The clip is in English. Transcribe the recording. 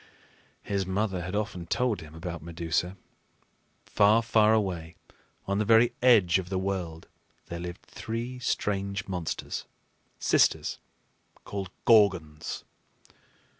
His mother had often told him about Medusa. Far, far away, on the very edge of the world, there lived three strange monsters, sisters, called Gorgons.